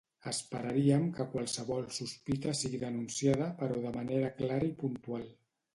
Esperaríem que qualsevol sospita sigui denunciada però de manera clara i puntual.